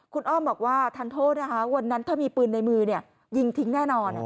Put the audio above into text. คุณอ้อมบอกว่าทันโทษนะคะวันนั้นถ้ามีปืนในมือยิงทิ้งแน่นอน